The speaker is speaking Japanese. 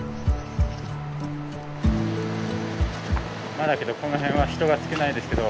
まだけどこの辺は人が少ないですけど。